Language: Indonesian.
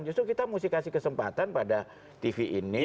justru kita mesti kasih kesempatan pada tv ini